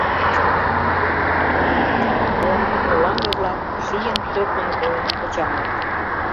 Шкетанын пушыштыжо кугу нужгол, олаҥге-влак шийын-шӧртньын койын почаҥыт.